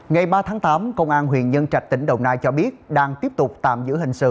ngày ba tháng tám công an huyện nhân trạch tỉnh đồng nai cho biết đang tiếp tục tạm giữ hình sự